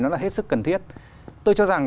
nó là hết sức cần thiết tôi cho rằng